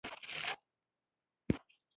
زه ستونزي د حللارو په توګه وینم.